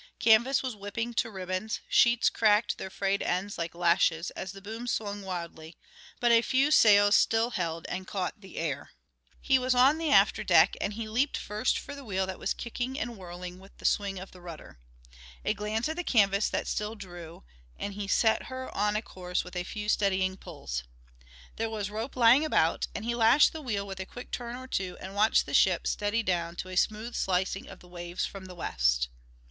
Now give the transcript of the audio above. Canvas was whipping to ribbons, sheets cracked their frayed ends like lashes as the booms swung wildly, but a few sails still held and caught the air. He was on the after deck, and he leaped first for the wheel that was kicking and whirling with the swing of the rudder. A glance at the canvas that still drew, and he set her on a course with a few steadying pulls. There was rope lying about, and he lashed the wheel with a quick turn or two and watched the ship steady down to a smooth slicing of the waves from the west.